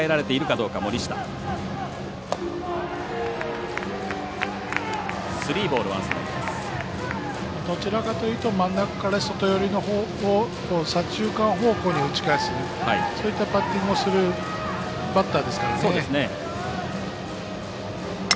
どちらかというと真ん中から外寄りのボールを左中間方向に打ち返すバッティングをするバッターですからね。